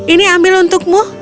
ini ambil untukmu